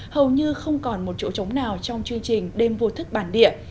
hầu như không còn một chỗ trống nào trong chương trình đêm vua thức bản địa